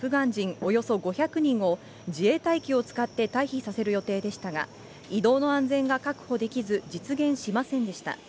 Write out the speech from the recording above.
およそ５００人を、自衛隊機を使って退避させる予定でしたが、移動の安全が確保できず、実現しませんでした。